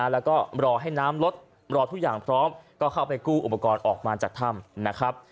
แล้วก็รอให้น้ำลดรอทุกอย่างพร้อมก็เข้าไปกู้อุปกรณ์ออกมาจากถ้ำนะครับ